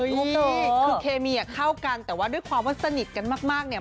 รูปนี้คือเคมีอ่ะเข้ากันแต่ว่าด้วยความว่าสนิทกันมากเนี่ย